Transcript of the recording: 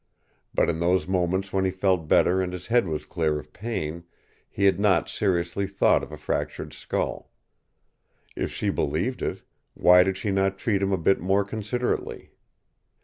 But in those moments when he felt better and his head was clear of pain, he had not seriously thought of a fractured skull. If she believed it, why did she not treat him a bit more considerately?